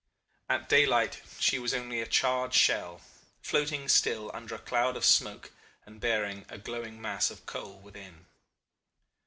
At daylight she was only a charred shell, floating still under a cloud of smoke and bearing a glowing mass of coal within.